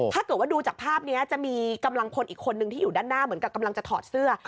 ถ้าเกิดว่าดูจากภาพนี้จะมีกำลังพลอีกคนนึงที่อยู่ด้านหน้าเหมือนกับกำลังจะถอดเสื้อ